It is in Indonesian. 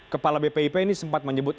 kepala bpip ini sempat menyebut